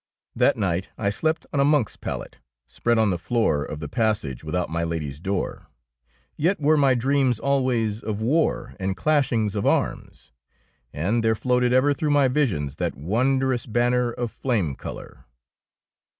That night I slept on a monk's pallet, spread on the floor of the passage without my Lady's door, yet were my dreams always of war and clashings of arms, and there floated ever through my visions that wonderous banner of flame colour.